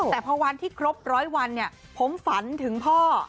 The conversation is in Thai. แต่พอวันที่ครบร้อยวันผมฝันถึงพ่อ